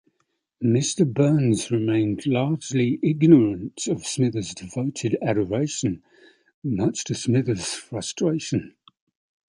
Mr. Burns remained largely ignorant of Smithers' devoted adoration, much to Smithers' frustration.